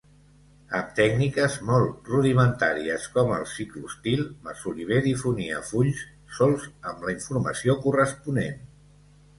Amb tècniques molt rudimentàries, com el ciclostil, Masoliver difonia fulls solts amb la informació corresponent.